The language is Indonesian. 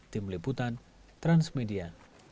tim liputan transmedia